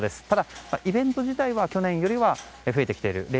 ただ、イベント自体は去年よりは増えてきている。